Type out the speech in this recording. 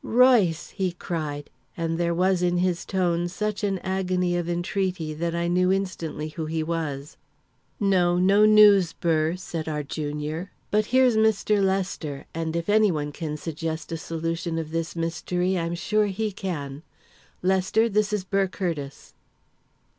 "Royce!" he cried, and there was in his tone such an agony of entreaty that I knew instantly who he was. "No; no news, Burr," said our junior; "but here's Mr. Lester, and if any one can suggest a solution of this mystery, I'm sure he can. Lester, this is Burr Curtiss."